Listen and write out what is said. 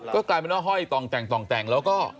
ก็กลายเป็นว่าห้อยต่องแต่งแล้วก็